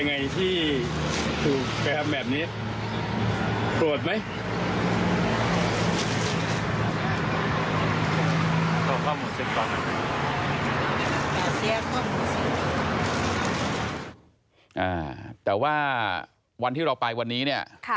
แต่ว่าวันที่เราไปวันนี้เนี่ย